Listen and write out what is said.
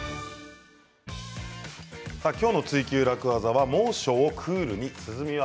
今日の「ツイＱ楽ワザ」は猛暑をクールに涼み技